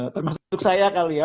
termasuk saya kali ya